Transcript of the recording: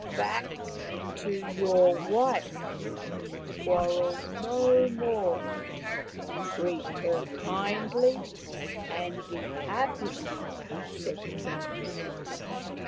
" Back to your wife ! Quarrel no more. Treat her kindly and be happy," said the King.